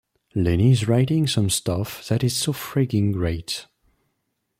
Lenny is writing some stuff that is so friggin great!